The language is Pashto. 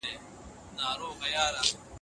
وچکالي لوی افت دی.